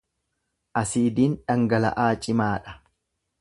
Asiidiin dhangala'aa cimaa dha.